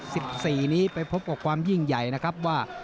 สิบสี่นี้ไปพบกับความยิ่งใหญ่นะครับว่า